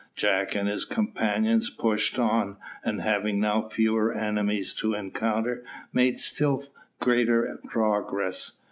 Jack and his companions pushed on, and having now fewer enemies to encounter, made still greater progress.